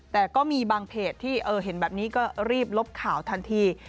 แต่ก็มีบางเพจที่เห็นแบบนี้ก็รีบลบข่าวทันที